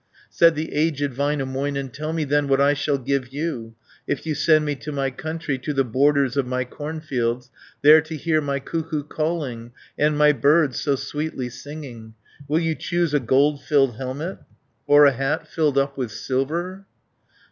Said the aged Väinämöinen, "Tell me then what I shall give you, If you send me to my country, To the borders of my cornfields, There to hear my cuckoo calling, And my birds so sweetly singing. 300 Will you choose a gold filled helmet. Or a hat filled up with silver?"